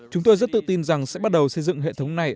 chúng tôi rất tự tin rằng sẽ bắt đầu xây dựng hệ thống này